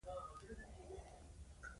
د لویدلیی دیوال خواتہ د سپیرو خاور پہ غیز کیی